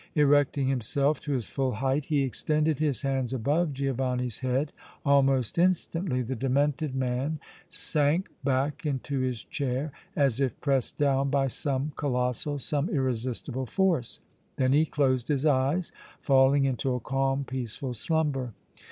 Erecting himself to his full height, he extended his hands above Giovanni's head; almost instantly the demented man sank back into his chair as if pressed down by some colossal, some irresistible force; then he closed his eyes, falling into a calm, peaceful slumber.